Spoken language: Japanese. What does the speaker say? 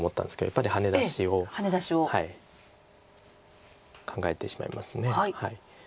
やっぱりハネ出しを考えてしまいます。